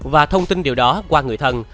và thông tin điều đó qua người thân